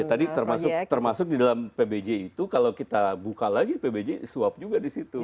tadi termasuk di dalam pbj itu kalau kita buka lagi pbj suap juga disitu